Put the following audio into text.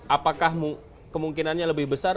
apakah kemungkinannya lebih besar